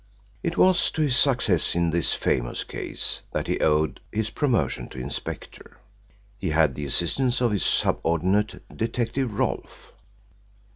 It was to his success in this famous case that he owed his promotion to Inspector. He had the assistance of his subordinate, Detective Rolfe.